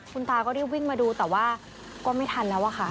คุณตาก็รีบวิ่งมาดูแต่ว่าก็ไม่ทันแล้วอะค่ะ